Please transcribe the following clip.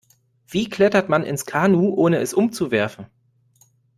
Wie klettert man ins Kanu, ohne es umzuwerfen?